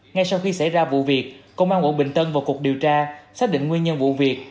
ngay sau khi xảy ra vụ việc công an quận bình tân vào cuộc điều tra xác định nguyên nhân vụ việc